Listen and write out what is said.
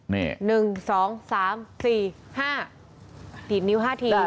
ติดนิ้ว๕ทีได้แล้ว